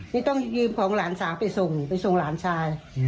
นี่ต้องยืมของหลานสาวไปส่งไปส่งหลานชาย